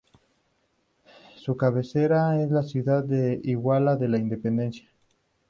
Su cabecera es las ciudad de Iguala de la Independencia.